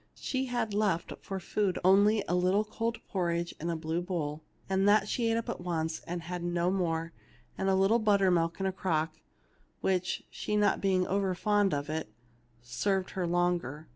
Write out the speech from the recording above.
She had left for food only a little cold porridge in a blue bowl, and that she ate up at once and had no more, and a little buttermilk in a crock, which, she being not over fond of it, served her longer.